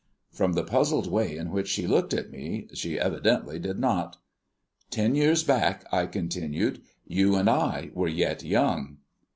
From the puzzled way in which she looked at me, she evidently did not. "Ten years back," I continued, "you and I were yet young."